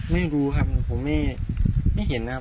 ไม่รู้ครับผมไม่เห็นนะครับ